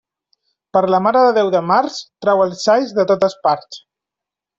Per la Mare de Déu de març, trau els xais de totes parts.